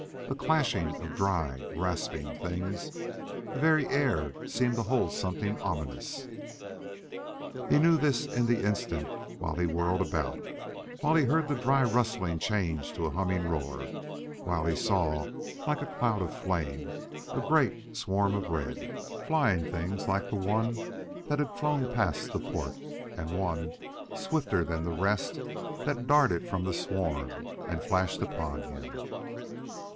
a clashing of dry, rasping things! The very air seemed to hold something ominous. He knew this in the instant while he whirled about; while he heard the dry rustling change to a humming roar; while he saw, like a cloud of flame, a great swarm of red, flying things like the one that had flown past the port and one, swifter than the rest, that darted from the swarm and flashed upon him.